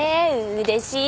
うれしい。